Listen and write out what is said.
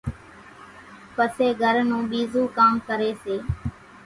پسي گھر نون ٻِيزون ڪام ڪري سي